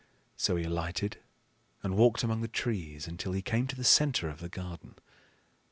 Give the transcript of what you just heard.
So he alighted and walked among the trees until he came to the center of the garden.